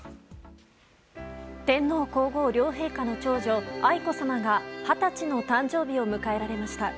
天皇・皇后両陛下の長女・愛子さまが二十歳の誕生日を迎えられました。